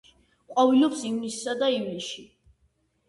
ყვავილობს ივნისსა და ივლისში.